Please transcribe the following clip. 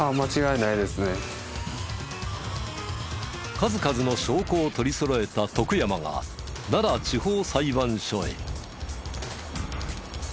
数々の証拠を取りそろえた徳山が奈良地方裁判所へ。